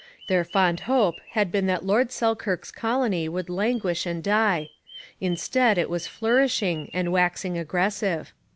Their fond hope had been that Lord Selkirk's colony would languish and die. Instead, it was flourishing and waxing aggressive.